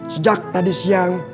sejak tadi siang